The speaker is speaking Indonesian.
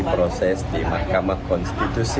proses di mahkamah konstitusi